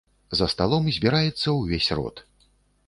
За сталом збіраецца ўвесь род.